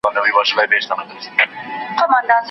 زه د تقریباً شپېتو کالو راهیسي شعر لیکم